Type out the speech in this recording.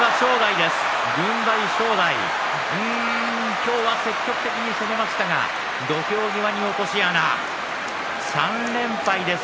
今日は積極的に攻めましたが土俵際に落とし穴、３連敗です。